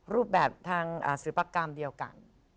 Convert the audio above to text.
รูปแบบทางสรุปกรรมแล้วกัน